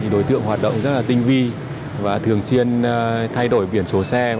đối tượng hoạt động rất tinh vi và thường xuyên thay đổi biển số xe